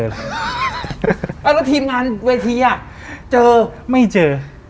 แล้วทีมงานเวทีเจอไม่เจอ